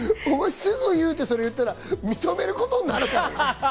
すぐ言う！って言ったら、認めることになるからな。